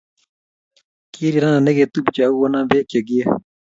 Kirirena negetupche agogonon beek chegiie